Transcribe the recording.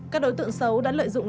các đối tượng xấu đã lợi dụng